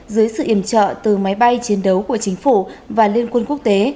dưới sự iểm trợ từ máy bay chiến đấu của chính phủ và liên quân quốc tế